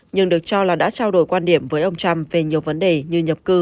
nhưng được cho là đã trao đổi quan điểm với ông trump về nhiều vấn đề như nhập cư